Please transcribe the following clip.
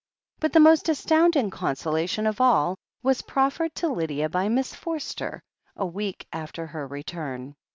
But the most astotmding consolation of all was prof fered to Lydia by Miss Forster, a week after her return.